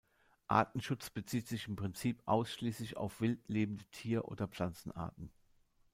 Artenschutz bezieht sich im Prinzip ausschließlich auf wild lebende Tier- oder Pflanzenarten.